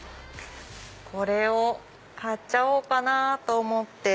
これを買っちゃおうかなと思って。